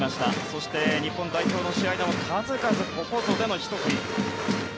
そして日本代表の試合でも数々、ここぞでのひと振り。